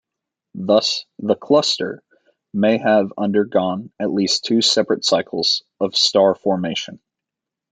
Thus the cluster may have undergone at least two separate cycles of star formation.